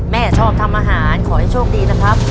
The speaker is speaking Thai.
แม่ชอบทำอาหารขอให้โชคดีนะครับ